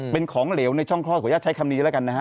เป็นของเหลวในช่องคลอดขออนุญาตใช้คำนี้แล้วกันนะฮะ